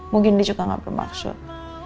mungkin dia juga gak bermaksud